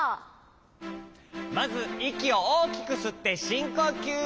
まずいきをおおきくすってしんこきゅう。